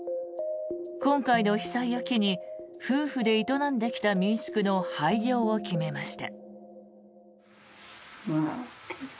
今回の被災を機に夫婦で営んできた民宿の廃業を決めました。